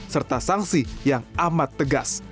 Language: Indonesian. serta sanksi yang amat tegas